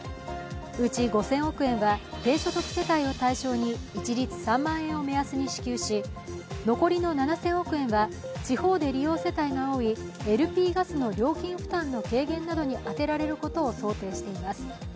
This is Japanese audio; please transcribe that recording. うち５０００億円は低所得者世帯を中心に一律３万円を目安に支給し、残りの７０００億円は地方で利用世帯が多いＬＰガスの料金負担の軽減などに充てられることを想定しています。